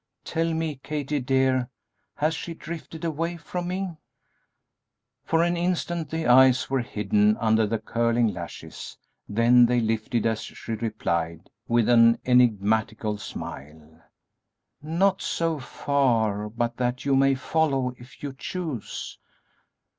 "Tell me, Kathie dear, has she drifted away from me?" For an instant the eyes were hidden under the curling lashes; then they lifted as she replied, with an enigmatical smile, "Not so far but that you may follow, if you choose."